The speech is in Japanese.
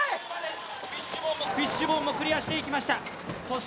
フィッシュボーンもクリアしてきました。